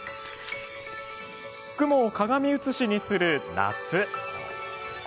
雲を鏡写しにする夏。